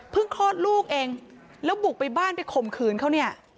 เพิ่งโฆษณ์ลูกเองแล้วบุกไปบ้านไปข่มขืนเขา